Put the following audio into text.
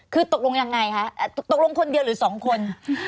คือตกลงยังไงคะตกลงคนเดียวหรือสองคน